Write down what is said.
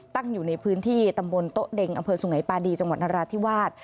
ตั้งอยู่ในพื้นที่ตำบลโต๊ะเด็งอำเภอสุงัยปาดีจังหวัดนราธิวาส